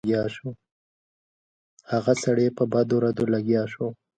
هغه سړی په بدو ردو لګیا شو.